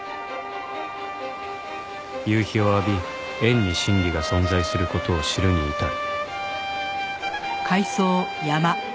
「夕陽を浴び円に真理が存在する事を知るに至る」